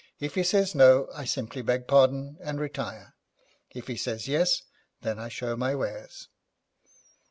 If he says no, I simply beg pardon and retire. If he says yes, then I show my wares.'